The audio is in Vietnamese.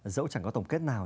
dẫu chẳng có tổng kết nào